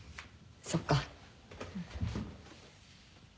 そっか。